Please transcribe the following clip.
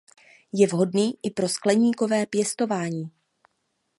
Je vhodný i pro skleníkové pěstování.